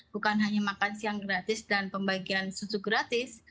bukan hanya makan siang gratis dan pembagian susu gratis